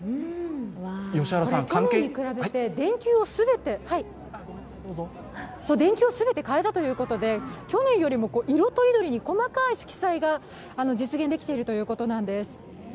電球を全てかえたということで去年よりも色とりどりに細かい色彩が実現できているということなんです。